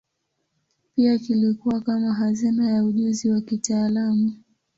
Pia kilikuwa kama hazina ya ujuzi wa kitaalamu.